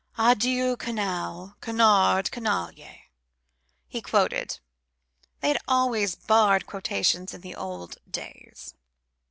"Adieu, Canal, canard, canaille," he quoted. They had always barred quotations in the old days.